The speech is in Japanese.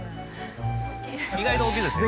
意外と大きいですよ。